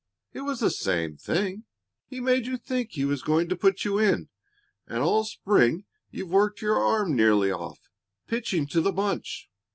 "It was the same thing. He made you think he was going to put you in, and all spring you've worked your arm nearly off, pitching to the bunch.